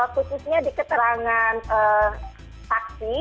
khususnya di keterangan saksi